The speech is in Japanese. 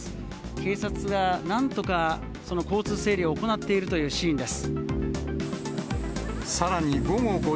警察がなんとか、その交通整理を行っているというシーンです。